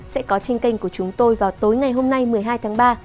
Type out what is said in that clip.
sẽ có trên kênh của chúng tôi vào tối ngày hôm nay một mươi hai tháng ba